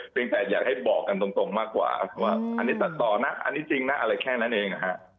เป็นแต่อยากให้บอกกันตรงมากกว่าว่าอันนี้ตัดต่อนะอันนี้จริงนะอะไรแค่นั้นเองนะฮะ